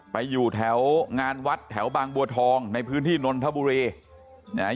ไปอยู่แถวงานวัดแถวบางบัวทองในพื้นที่นนทบุรีนะฮะ